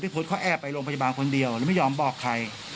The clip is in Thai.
พจน์เขาแอบไปโรงพยาบาลคนเดียวแล้วไม่ยอมบอกใคร